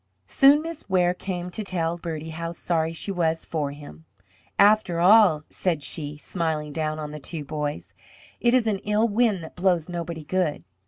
Soon Miss Ware came to tell Bertie how sorry she was for him. "After all," said she, smiling down on the two boys, "it is an ill wind that blows nobody good.